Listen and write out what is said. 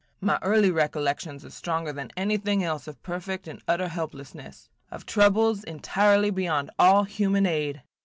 My early recollections are stronger than anything else of perfect and utter helplessness, of troubles entirely beyond all human aid.